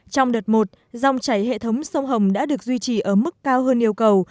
trong đợt một dòng chảy hệ thống sông hồng đã được duy trì ở mức cao hơn yêu cầu